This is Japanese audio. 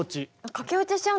かけ落ちしちゃう。